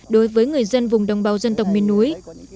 đối với người dân vùng đồng bào dân tộc miền núi